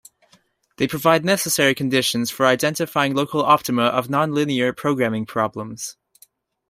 They provide necessary conditions for identifying local optima of non-linear programming problems.